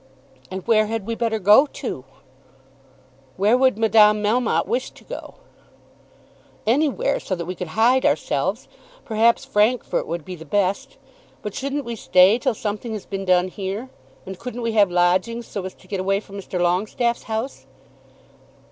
"And where had we better go to?" "Where would Madame Melmotte wish to go?" "Anywhere, so that we could hide ourselves. Perhaps Frankfort would be the best. But shouldn't we stay till something has been done here? And couldn't we have lodgings, so as to get away from Mr. Longestaffe's house?"